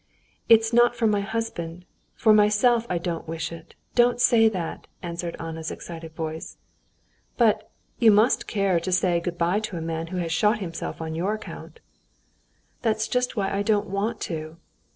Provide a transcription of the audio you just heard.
"It's not for my husband; for myself I don't wish it. Don't say that!" answered Anna's excited voice. "Yes, but you must care to say good bye to a man who has shot himself on your account...." "That's just why I don't want to."